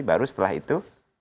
baru setelah itu